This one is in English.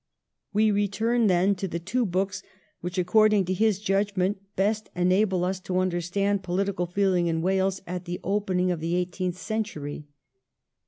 We return, then, to the two books which, accord ing to his judgment, best enable us to understand political feeling in Wales at the opening of the eigh teenth century.